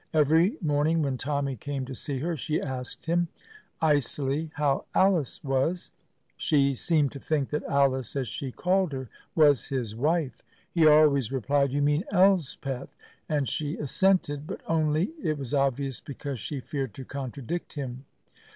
Every morning when Tommy came to see her she asked him, icily how Alice was. She seemed to think that Alice, as she called her, was his wife. He always replied, "You mean Elspeth," and she assented, but only, it was obvious, because she feared to contradict him.